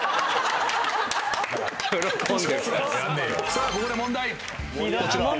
さあここで問題。